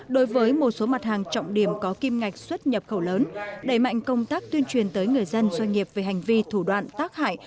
đối với một số mặt hàng trọng điểm có kim ngạch xuất nhập khẩu lớn đẩy mạnh công tác tuyên truyền tới người dân doanh nghiệp về hành vi thủ đoạn tác hại